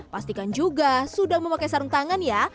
pastikan juga sudah memakai sarung tangan ya